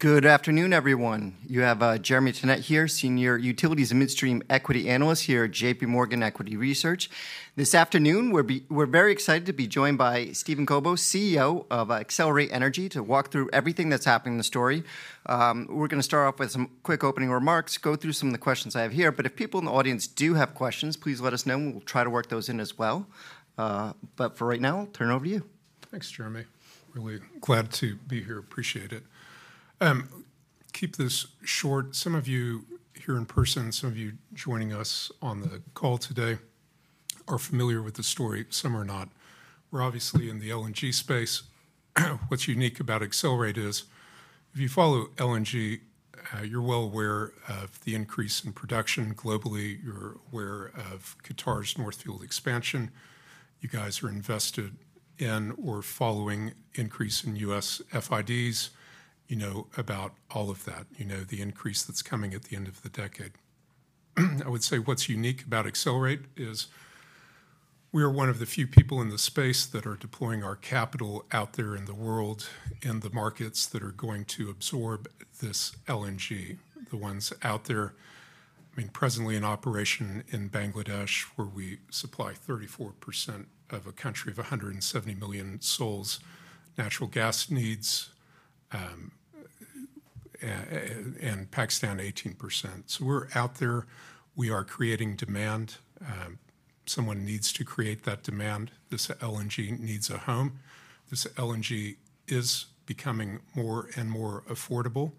Good afternoon, everyone. You have Jeremy Tonet here, Senior Utilities and Midstream Equity Analyst here at J.P. Morgan Equity Research. This afternoon, we're very excited to be joined by Steven Kobos, CEO of Excelerate Energy, to walk through everything that's happening in the story. We're going to start off with some quick opening remarks, go through some of the questions I have here. But if people in the audience do have questions, please let us know. We'll try to work those in as well. But for right now, turn it over to you. Thanks, Jeremy. Really glad to be here. Appreciate it. Keep this short. Some of you here in person, some of you joining us on the call today are familiar with the story. Some are not. We're obviously in the LNG space. What's unique about Excelerate is, if you follow LNG, you're well aware of the increase in production globally. You're aware of Qatar's North Field Expansion. You guys are invested in or following increase in U.S. FIDs. You know about all of that. You know the increase that's coming at the end of the decade. I would say what's unique about Excelerate is we are one of the few people in the space that are deploying our capital out there in the world, in the markets that are going to absorb this LNG. The ones out there, I mean, presently in operation in Bangladesh, where we supply 34% of a country of 170 million souls' natural gas needs, and Pakistan 18%. So we're out there. We are creating demand. Someone needs to create that demand. This LNG needs a home. This LNG is becoming more and more affordable.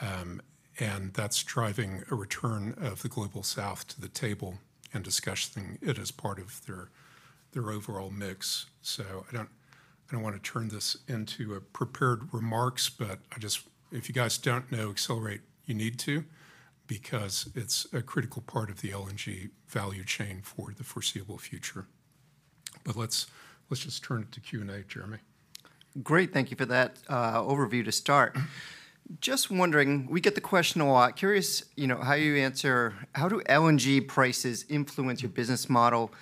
And that's driving a return of the Global South to the table and discussing it as part of their overall mix. So I don't want to turn this into prepared remarks, but I just, if you guys don't know Excelerate, you need to, because it's a critical part of the LNG value chain for the foreseeable future. But let's just turn it to Q&A, Jeremy. Great. Thank you for that overview to start. Just wondering, we get the question a lot. Curious how you answer, how do LNG prices influence your business model?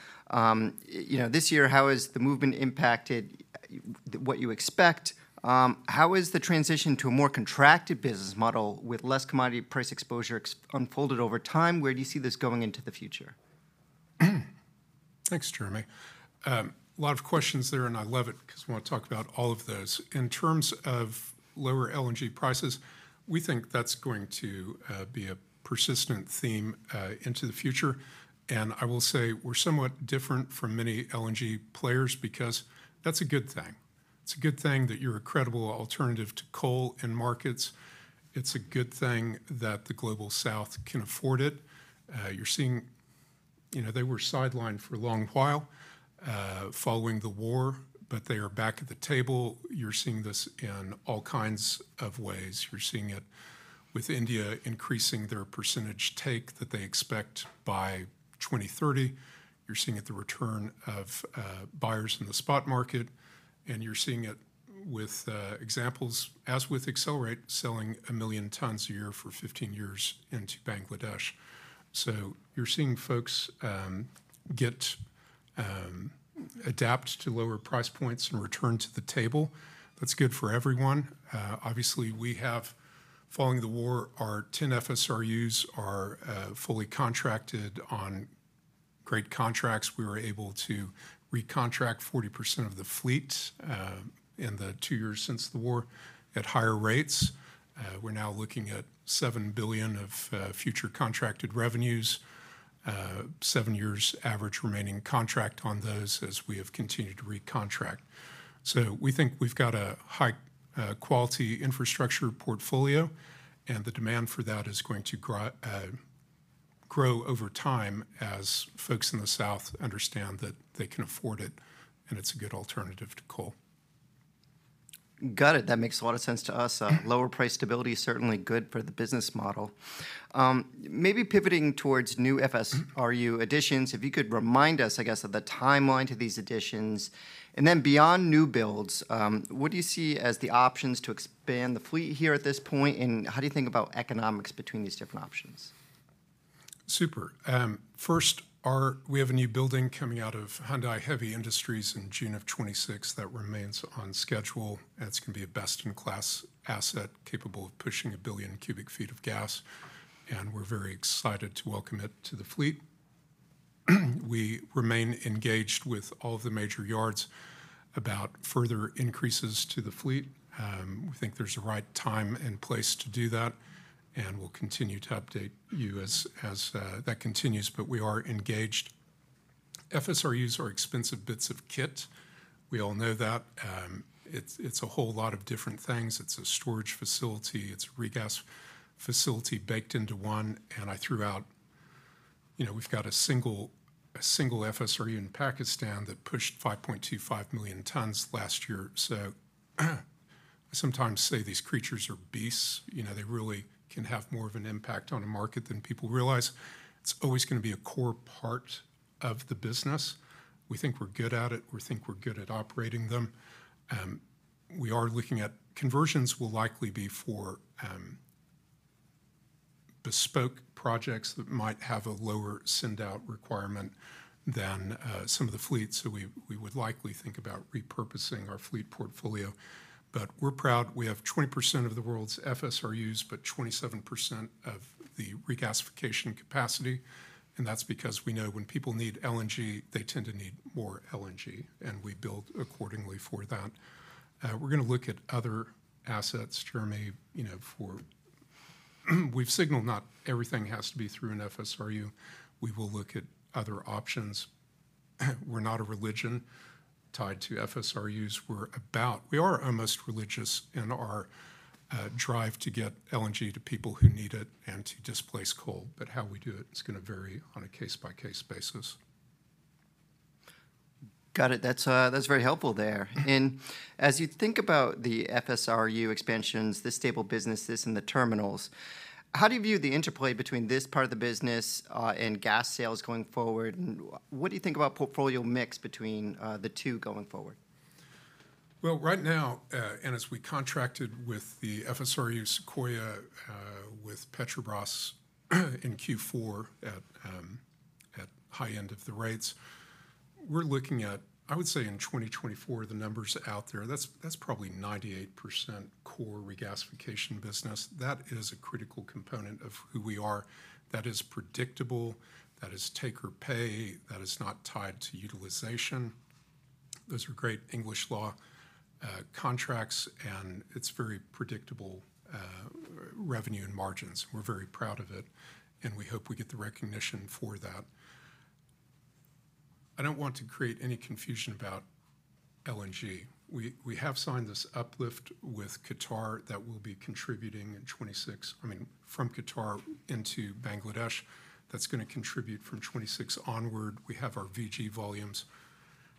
This year, how has the movement impacted what you expect? How is the transition to a more contracted business model with less commodity price exposure unfolded over time? Where do you see this going into the future? Thanks, Jeremy. A lot of questions there, and I love it because we want to talk about all of those. In terms of lower LNG prices, we think that's going to be a persistent theme into the future. I will say we're somewhat different from many LNG players because that's a good thing. It's a good thing that you're a credible alternative to coal in markets. It's a good thing that the Global South can afford it. You're seeing, you know, they were sidelined for a long while following the war, but they are back at the table. You're seeing this in all kinds of ways. You're seeing it with India increasing their percentage take that they expect by 2030. You're seeing it, the return of buyers in the spot market. You're seeing it with examples, as with Excelerate, selling 1 million tons a year for 15 years into Bangladesh. So you're seeing folks adapt to lower price points and return to the table. That's good for everyone. Obviously, we have, following the war, our 10 FSRUs are fully contracted on great contracts. We were able to recontract 40% of the fleet in the 2 years since the war at higher rates. We're now looking at $7 billion of future contracted revenues, 7 years average remaining contract on those as we have continued to recontract. So we think we've got a high-quality infrastructure portfolio, and the demand for that is going to grow over time as folks in the South understand that they can afford it and it's a good alternative to coal. Got it. That makes a lot of sense to us. Lower price stability is certainly good for the business model. Maybe pivoting towards new FSRU additions, if you could remind us, I guess, of the timeline to these additions. And then beyond new builds, what do you see as the options to expand the fleet here at this point? And how do you think about economics between these different options? Super. First, we have a new building coming out of HD Hyundai Heavy Industries in June of 2026 that remains on schedule. It's going to be a best-in-class asset capable of pushing 1 billion cubic feet of gas. And we're very excited to welcome it to the fleet. We remain engaged with all of the major yards about further increases to the fleet. We think there's the right time and place to do that. And we'll continue to update you as that continues. But we are engaged. FSRUs are expensive bits of kit. We all know that. It's a whole lot of different things. It's a storage facility. It's a regas facility baked into one. And I threw out, you know, we've got a single FSRU in Pakistan that pushed 5.25 million tons last year. So I sometimes say these creatures are beasts. You know, they really can have more of an impact on a market than people realize. It's always going to be a core part of the business. We think we're good at it. We think we're good at operating them. We are looking at conversions will likely be for bespoke projects that might have a lower send-out requirement than some of the fleet. So we would likely think about repurposing our fleet portfolio. But we're proud. We have 20% of the world's FSRUs, but 27% of the regasification capacity. And that's because we know when people need LNG, they tend to need more LNG. And we build accordingly for that. We're going to look at other assets, Jeremy, you know, for we've signaled not everything has to be through an FSRU. We will look at other options. We're not a religion tied to FSRUs. We are almost religious in our drive to get LNG to people who need it and to displace coal. But how we do it is going to vary on a case-by-case basis. Got it. That's very helpful there. And as you think about the FSRU expansions, this stable business, this and the terminals, how do you view the interplay between this part of the business and gas sales going forward? And what do you think about portfolio mix between the two going forward? Well, right now, and as we contracted with the FSRU Sequoia with Petrobras in Q4 at high end of the rates, we're looking at, I would say in 2024, the numbers out there, that's probably 98% core regasification business. That is a critical component of who we are. That is predictable. That is take or pay. That is not tied to utilization. Those are great English law contracts. And it's very predictable revenue and margins. We're very proud of it. And we hope we get the recognition for that. I don't want to create any confusion about LNG. We have signed this uplift with Qatar that will be contributing in 2026. I mean, from Qatar into Bangladesh. That's going to contribute from 2026 onward. We have our VG volumes.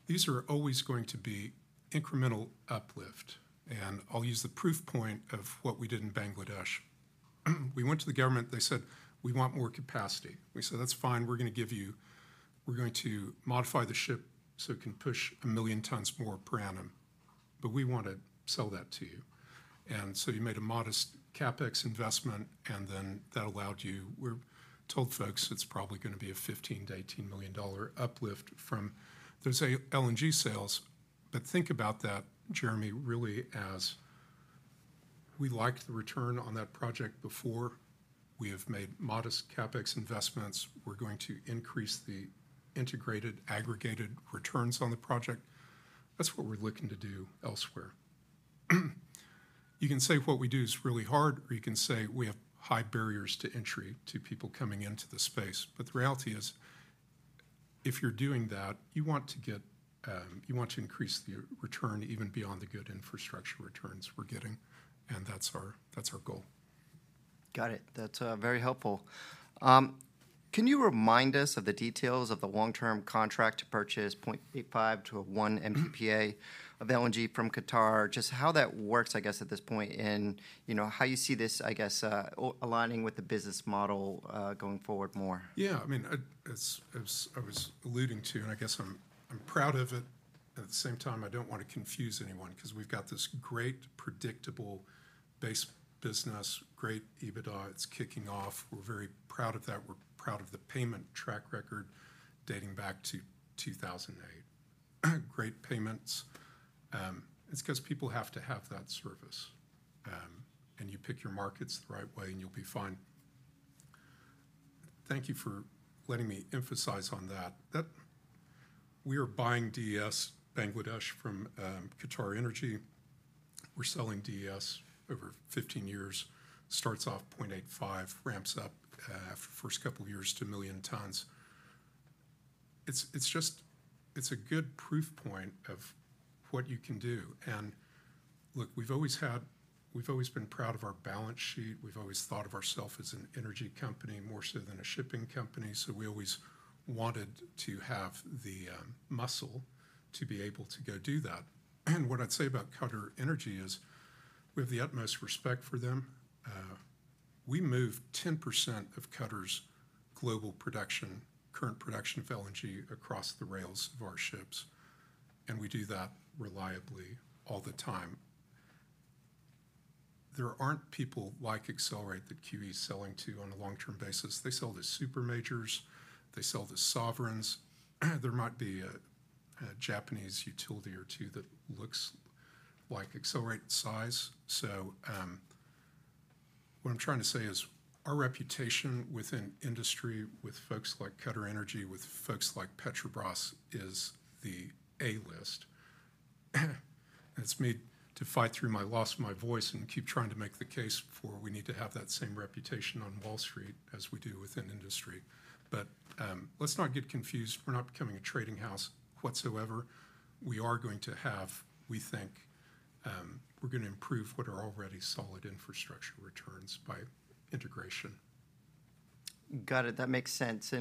These are always going to be incremental uplift. And I'll use the proof point of what we did in Bangladesh. We went to the government. They said, we want more capacity. We said, that's fine. We're going to give you, we're going to modify the ship so it can push 1 million tons more per annum. But we want to sell that to you. And so you made a modest CapEx investment. And then that allowed you, we're told folks, it's probably going to be a $15-$18 million uplift from those LNG sales. But think about that, Jeremy, really as we liked the return on that project before. We have made modest CapEx investments. We're going to increase the integrated aggregated returns on the project. That's what we're looking to do elsewhere. You can say what we do is really hard, or you can say we have high barriers to entry to people coming into the space. The reality is, if you're doing that, you want to get, you want to increase the return even beyond the good infrastructure returns we're getting. That's our goal. Got it. That's very helpful. Can you remind us of the details of the long-term contract to purchase 0.85-1 MTPA of LNG from Qatar, just how that works, I guess, at this point in, you know, how you see this, I guess, aligning with the business model going forward more? Yeah, I mean, as I was alluding to, and I guess I'm proud of it. At the same time, I don't want to confuse anyone because we've got this great predictable base business, great EBITDA. It's kicking off. We're very proud of that. We're proud of the payment track record dating back to 2008. Great payments. It's because people have to have that service. And you pick your markets the right way, and you'll be fine. Thank you for letting me emphasize on that. We are buying DES Bangladesh from QatarEnergy. We're selling DES over 15 years. Starts off 0.85, ramps up after the first couple of years to 1 million tons. It's just, it's a good proof point of what you can do. And look, we've always had, we've always been proud of our balance sheet. We've always thought of ourselves as an energy company more so than a shipping company. We always wanted to have the muscle to be able to go do that. What I'd say about QatarEnergy is we have the utmost respect for them. We move 10% of Qatar's global production, current production of LNG across the rails of our ships. We do that reliably all the time. There aren't people like Excelerate that QE is selling to on a long-term basis. They sell to super majors. They sell to sovereigns. There might be a Japanese utility or two that looks like Excelerate in size. What I'm trying to say is our reputation within industry with folks like QatarEnergy, with folks like Petrobras is the A-list. It's me to fight through my loss of my voice and keep trying to make the case for we need to have that same reputation on Wall Street as we do within industry. But let's not get confused. We're not becoming a trading house whatsoever. We are going to have, we think we're going to improve what are already solid infrastructure returns by integration. Got it. That makes sense.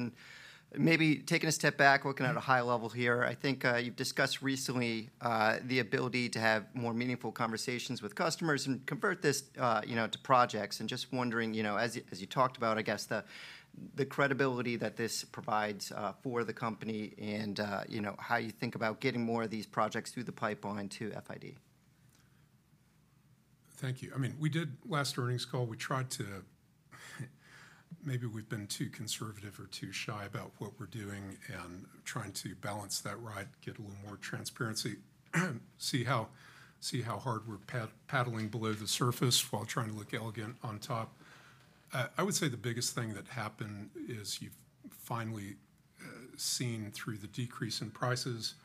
Maybe taking a step back, looking at a high level here, I think you've discussed recently the ability to have more meaningful conversations with customers and convert this, you know, to projects. Just wondering, you know, as you talked about, I guess the credibility that this provides for the company and, you know, how you think about getting more of these projects through the pipeline to FID. Thank you. I mean, we did last earnings call. We tried to, maybe we've been too conservative or too shy about what we're doing and trying to balance that right, get a little more transparency, see how hard we're paddling below the surface while trying to look elegant on top. I would say the biggest thing that happened is you've finally seen through the decrease in prices,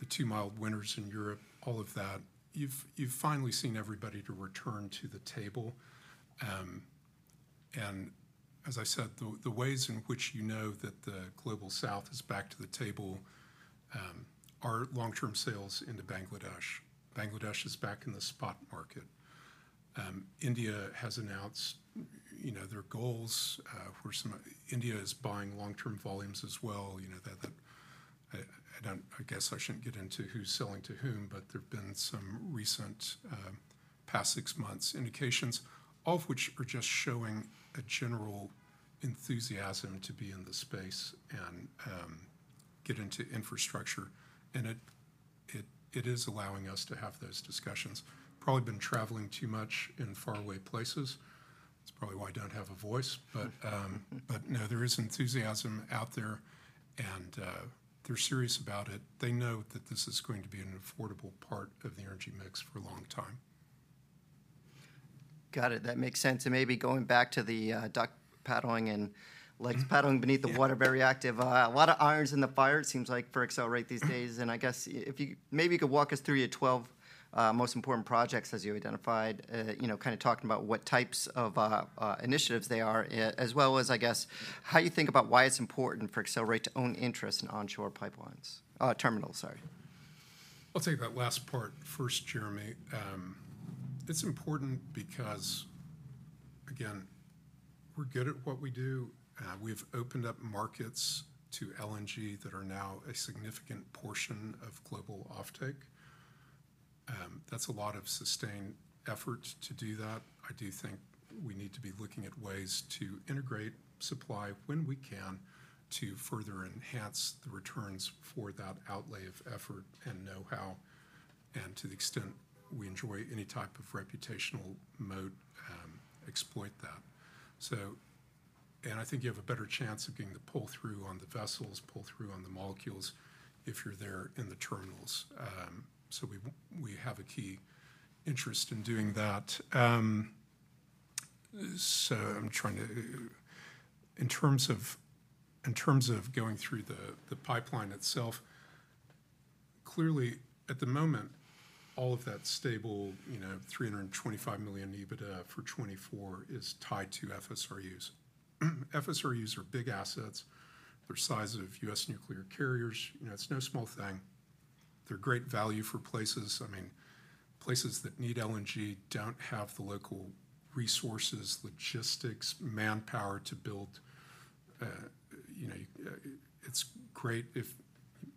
the two mild winters in Europe, all of that. You've finally seen everybody return to the table. And as I said, the ways in which you know that the Global South is back to the table are long-term sales into Bangladesh. Bangladesh is back in the spot market. India has announced, you know, their goals where, so India is buying long-term volumes as well. You know, I guess I shouldn't get into who's selling to whom, but there've been some recent past six months indications, all of which are just showing a general enthusiasm to be in the space and get into infrastructure. And it is allowing us to have those discussions. Probably been traveling too much in faraway places. It's probably why I don't have a voice. But no, there is enthusiasm out there and they're serious about it. They know that this is going to be an affordable part of the energy mix for a long time. Got it. That makes sense. And maybe going back to the duck paddling and like paddling beneath the water very active, a lot of irons in the fire, it seems like for Excelerate these days. And I guess if you maybe you could walk us through your 12 most important projects as you identified, you know, kind of talking about what types of initiatives they are, as well as, I guess, how you think about why it's important for Excelerate to own interest in onshore pipelines, terminals, sorry. I'll take that last part first, Jeremy. It's important because, again, we're good at what we do. We've opened up markets to LNG that are now a significant portion of global offtake. That's a lot of sustained effort to do that. I do think we need to be looking at ways to integrate supply when we can to further enhance the returns for that outlay of effort and know-how and to the extent we enjoy any type of reputational moat, exploit that. So, and I think you have a better chance of getting the pull-through on the vessels, pull-through on the molecules if you're there in the terminals. So we have a key interest in doing that. So I'm trying to, in terms of going through the pipeline itself, clearly at the moment, all of that stable, you know, $325 million EBITDA for 2024 is tied to FSRUs. FSRUs are big assets. They're the size of U.S. nuclear carriers. You know, it's no small thing. They're great value for places. I mean, places that need LNG don't have the local resources, logistics, manpower to build. You know, it's great if,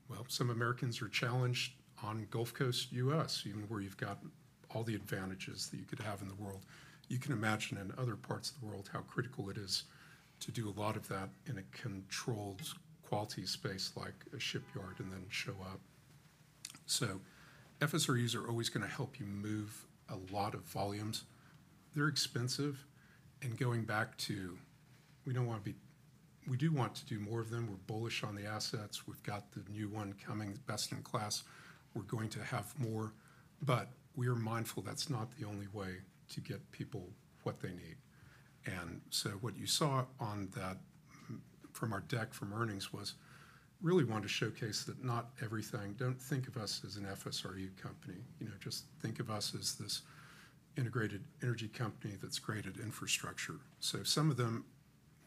well, some Americans are challenged on Gulf Coast U.S., even where you've got all the advantages that you could have in the world. You can imagine in other parts of the world how critical it is to do a lot of that in a controlled quality space like a shipyard and then show up. So FSRUs are always going to help you move a lot of volumes. They're expensive. And going back to, we don't want to be, we do want to do more of them. We're bullish on the assets. We've got the new one coming, best in class. We're going to have more. But we are mindful that's not the only way to get people what they need. And so what you saw on that from our deck from earnings was really wanted to showcase that not everything, don't think of us as an FSRU company. You know, just think of us as this integrated energy company that's great at infrastructure. So some of them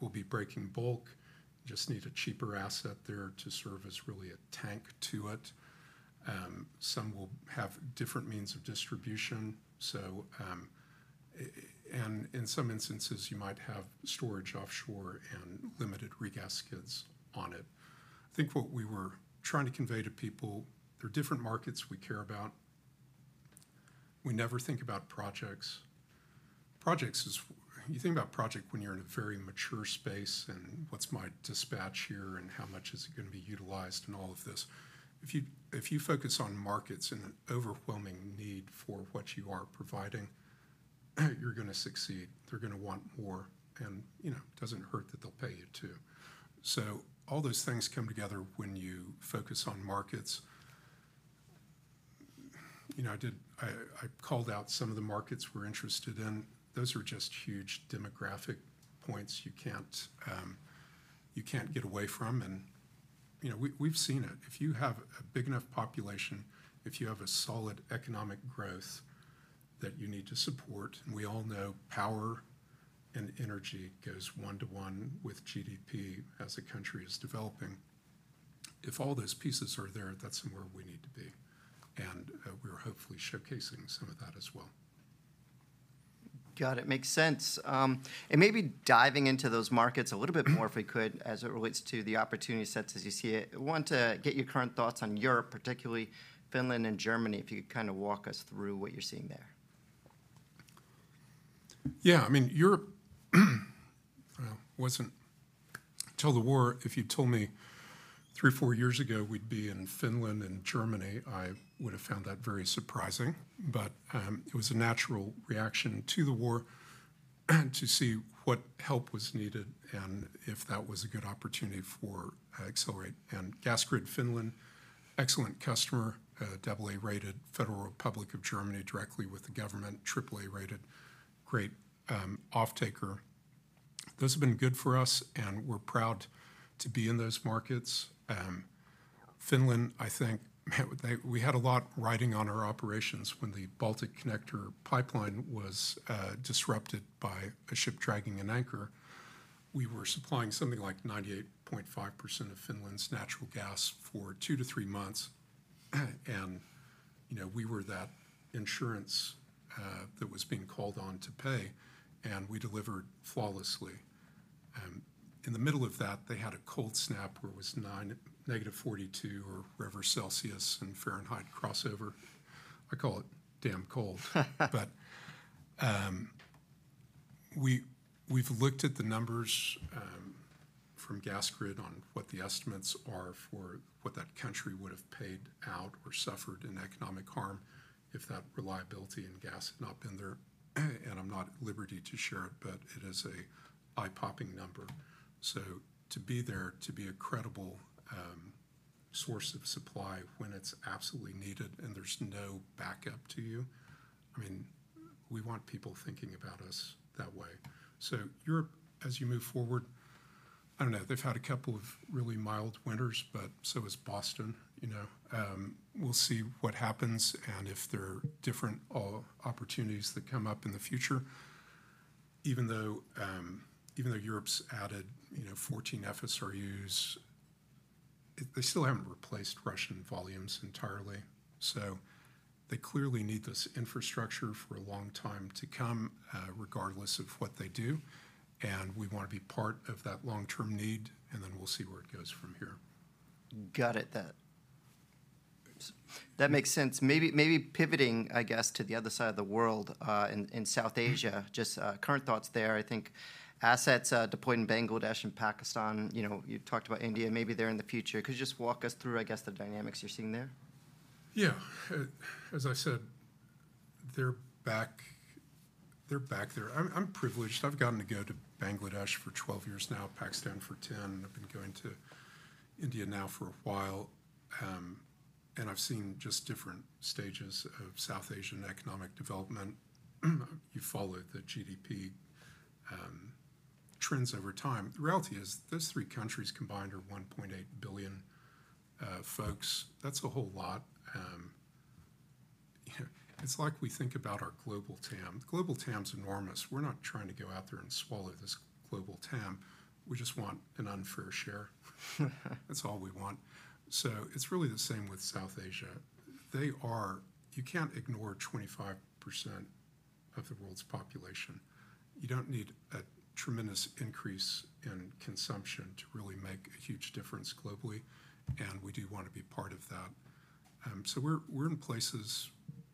will be breaking bulk, just need a cheaper asset there to serve as really a tank unit. Some will have different means of distribution. So, and in some instances, you might have storage offshore and limited regas kits on it. I think what we were trying to convey to people, there are different markets we care about. We never think about projects. Projects is. You think about project when you're in a very mature space and what's my dispatch here and how much is it going to be utilized and all of this. If you focus on markets and an overwhelming need for what you are providing, you're going to succeed. They're going to want more. And, you know, it doesn't hurt that they'll pay you too. So all those things come together when you focus on markets. You know, I did. I called out some of the markets we're interested in. Those are just huge demographic points you can't get away from. And, you know, we've seen it. If you have a big enough population, if you have a solid economic growth that you need to support, and we all know power and energy goes 1-to-1 with GDP as a country is developing. If all those pieces are there, that's where we need to be. We're hopefully showcasing some of that as well. Got it. Makes sense. Maybe diving into those markets a little bit more if we could, as it relates to the opportunity sets as you see it. I want to get your current thoughts on Europe, particularly Finland and Germany, if you could kind of walk us through what you're seeing there. Yeah, I mean, Europe wasn't until the war, if you'd told me three or four years ago we'd be in Finland and Germany, I would have found that very surprising. But it was a natural reaction to the war to see what help was needed and if that was a good opportunity for Excelerate. And Gasgrid Finland, excellent customer, AA rated, Federal Republic of Germany directly with the government, AAA rated, great offtaker. Those have been good for us and we're proud to be in those markets. Finland, I think we had a lot riding on our operations when the Balticconnector pipeline was disrupted by a ship dragging an anchor. We were supplying something like 98.5% of Finland's natural gas for two to three months. And, you know, we were that insurance that was being called on to pay and we delivered flawlessly. In the middle of that, they had a cold snap where it was -42 or whatever Celsius and Fahrenheit crossover. I call it damn cold. But we've looked at the numbers from Gasgrid on what the estimates are for what that country would have paid out or suffered in economic harm if that reliability in gas had not been there. And I'm not at liberty to share it, but it is an eye-popping number. So to be there, to be a credible source of supply when it's absolutely needed and there's no backup to you, I mean, we want people thinking about us that way. So Europe, as you move forward, I don't know, they've had a couple of really mild winters, but so has Boston, you know. We'll see what happens and if there are different opportunities that come up in the future. Even though Europe's added, you know, 14 FSRUs, they still haven't replaced Russian volumes entirely. So they clearly need this infrastructure for a long time to come, regardless of what they do. And we want to be part of that long-term need and then we'll see where it goes from here. Got it. That makes sense. Maybe pivoting, I guess, to the other side of the world in South Asia, just current thoughts there. I think assets deployed in Bangladesh and Pakistan, you know, you've talked about India, maybe there in the future. Could you just walk us through, I guess, the dynamics you're seeing there? Yeah. As I said, they're back there. I'm privileged. I've gotten to go to Bangladesh for 12 years now, Pakistan for 10, and I've been going to India now for a while. And I've seen just different stages of South Asian economic development. You follow the GDP trends over time. The reality is those three countries combined are 1.8 billion folks. That's a whole lot. It's like we think about our global TAM. Global TAM is enormous. We're not trying to go out there and swallow this global TAM. We just want an unfair share. That's all we want. So it's really the same with South Asia. They are, you can't ignore 25% of the world's population. You don't need a tremendous increase in consumption to really make a huge difference globally. And we do want to be part of that. So we're in places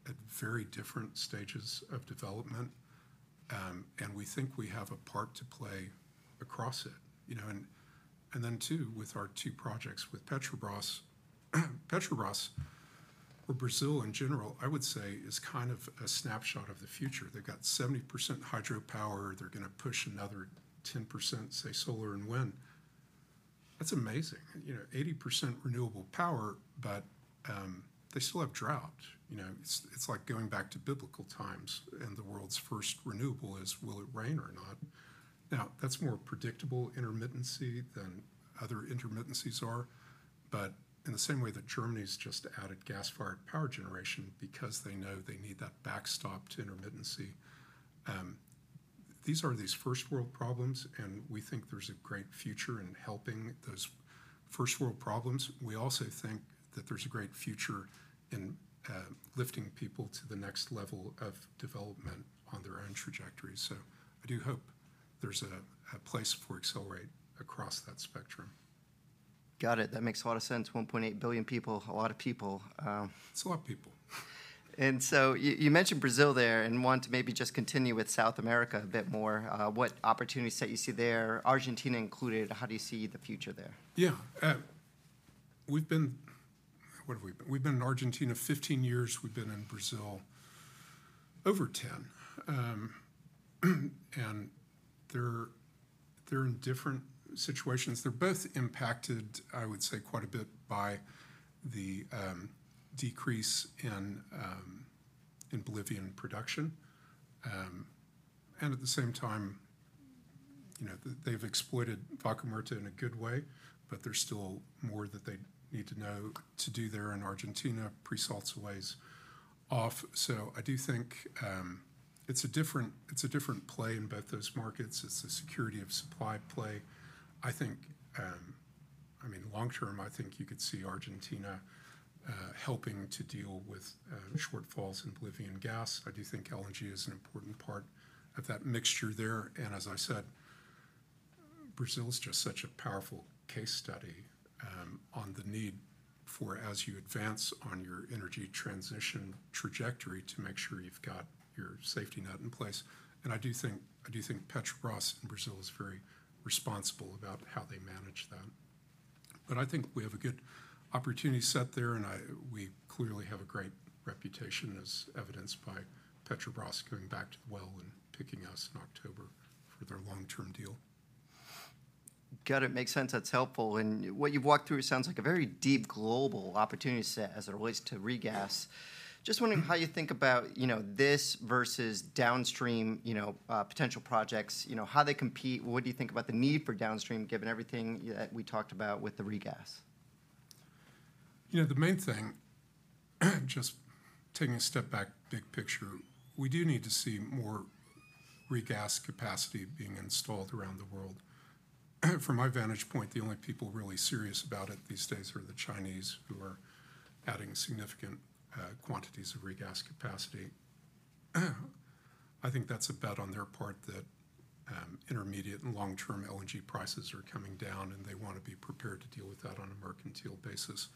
at very different stages of development. And we think we have a part to play across it. You know, and then too with our two projects with Petrobras, Petrobras, where Brazil in general, I would say is kind of a snapshot of the future. They've got 70% hydropower. They're going to push another 10%, say solar and wind. That's amazing. You know, 80% renewable power, but they still have drought. You know, it's like going back to biblical times and the world's first renewable is, will it rain or not? Now, that's more predictable intermittency than other intermittencies are. But in the same way that Germany's just added gas-fired power generation because they know they need that backstop to intermittency. These are these first world problems and we think there's a great future in helping those first world problems. We also think that there's a great future in lifting people to the next level of development on their own trajectory. So I do hope there's a place for Excelerate across that spectrum. Got it. That makes a lot of sense. 1.8 billion people, a lot of people. It's a lot of people. So you mentioned Brazil there and want to maybe just continue with South America a bit more. What opportunities that you see there? Argentina included, how do you see the future there? Yeah. We've been, what have we been? We've been in Argentina 15 years. We've been in Brazil over 10. And they're in different situations. They're both impacted, I would say, quite a bit by the decrease in Bolivian production. And at the same time, you know, they've exploited Vaca Muerta in a good way, but there's still more that they need to know to do there in Argentina. Pre-salt's a ways off. So I do think it's a different play in both those markets. It's the security of supply play. I think, I mean, long term, I think you could see Argentina helping to deal with shortfalls in Bolivian gas. I do think LNG is an important part of that mixture there. As I said, Brazil is just such a powerful case study on the need for, as you advance on your energy transition trajectory, to make sure you've got your safety net in place. I do think, I do think Petrobras in Brazil is very responsible about how they manage that. But I think we have a good opportunity set there and we clearly have a great reputation as evidenced by Petrobras going back to the well and picking us in October for their long-term deal. Got it. Makes sense. That's helpful. And what you've walked through sounds like a very deep global opportunity set as it relates to regas. Just wondering how you think about, you know, this versus downstream, you know, potential projects, you know, how they compete. What do you think about the need for downstream given everything that we talked about with the regas? You know, the main thing, just taking a step back, big picture, we do need to see more regas capacity being installed around the world. From my vantage point, the only people really serious about it these days are the Chinese who are adding significant quantities of regas capacity. I think that's a bet on their part that intermediate and long-term LNG prices are coming down and they want to be prepared to deal with that on a mercantile basis.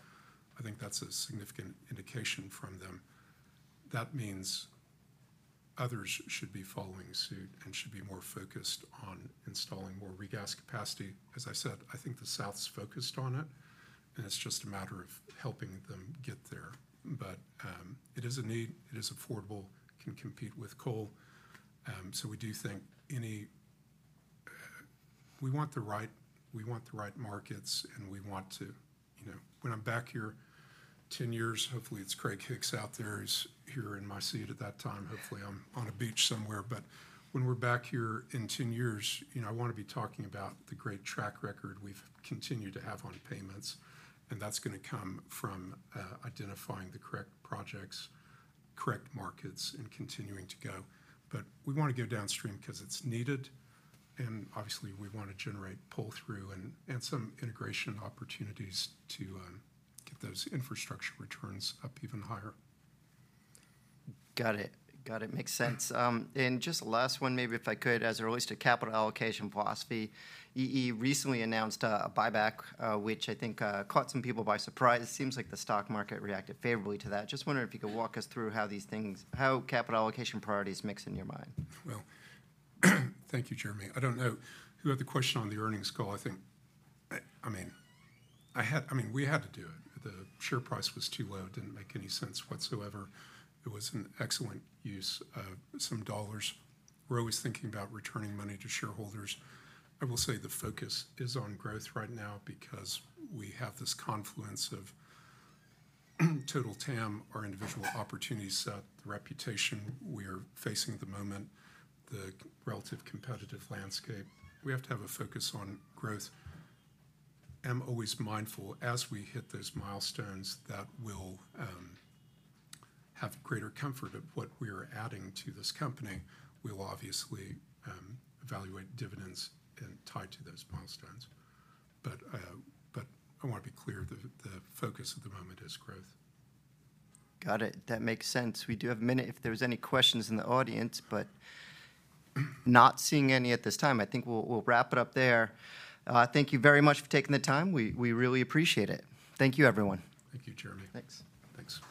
I think that's a significant indication from them. That means others should be following suit and should be more focused on installing more regas capacity. As I said, I think the South's focused on it and it's just a matter of helping them get there. But it is a need. It is affordable. It can compete with coal. So we want the right markets and we want to, you know, when I'm back here 10 years, hopefully it's Craig Hicks out there. He's here in my seat at that time. Hopefully I'm on a beach somewhere. But when we're back here in 10 years, you know, I want to be talking about the great track record we've continued to have on payments. And that's going to come from identifying the correct projects, correct markets, and continuing to go. But we want to go downstream because it's needed. And obviously we want to generate pull-through and some integration opportunities to get those infrastructure returns up even higher. Got it. Got it. Makes sense. And just the last one, maybe if I could, as it relates to capital allocation philosophy. EE recently announced a buyback, which I think caught some people by surprise. It seems like the stock market reacted favorably to that. Just wondering if you could walk us through how these things, how capital allocation priorities mix in your mind? Well, thank you, Jeremy. I don't know who had the question on the earnings call. I think, I mean, I had, I mean, we had to do it. The share price was too low. It didn't make any sense whatsoever. It was an excellent use of some dollars. We're always thinking about returning money to shareholders. I will say the focus is on growth right now because we have this confluence of total TAM, our individual opportunity set, the reputation we are facing at the moment, the relative competitive landscape. We have to have a focus on growth. I'm always mindful as we hit those milestones that will have greater comfort of what we are adding to this company. We'll obviously evaluate dividends and tie to those milestones. But I want to be clear that the focus at the moment is growth. Got it. That makes sense. We do have a minute if there's any questions in the audience, but not seeing any at this time. I think we'll wrap it up there. Thank you very much for taking the time. We really appreciate it. Thank you, everyone. Thank you, Jeremy. Thanks. Thanks.